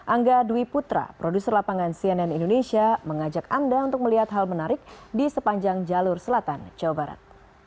angga dwi putra produser lapangan cnn indonesia mengajak anda untuk melihat hal menarik di sepanjang jalur selatan jawa barat